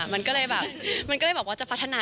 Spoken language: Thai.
มันก็เลยแบบมันก็เลยแบบว่าจะพัฒนา